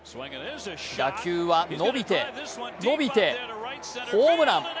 打球は伸びて伸びてホームラン。